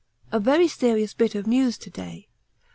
A very serious bit of news to day.